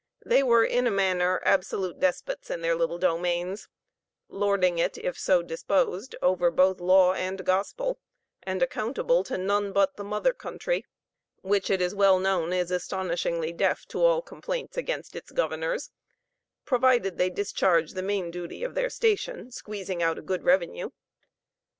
They were in a manner absolute despots in their little domains, lording it, if so disposed, over both law and gospel, and accountable to none but the mother country; which, it is well known, is astonishingly deaf to all complaints against its governors, provided they discharge the main duty of their station squeezing out a good revenue.